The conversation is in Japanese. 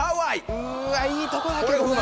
うわいいとこだけどな。